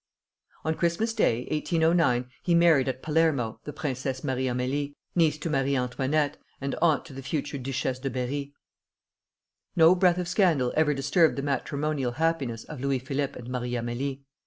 On Christmas Day, 1809, he married at Palermo the Princesse Marie Amélie, niece to Marie Antoinette, and aunt to the future Duchesse de Berri. No breath of scandal ever disturbed the matrimonal happiness of Louis Philippe and Marie Amélie.